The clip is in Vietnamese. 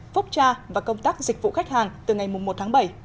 phúc tra và công tác dịch vụ khách hàng từ ngày một tháng bảy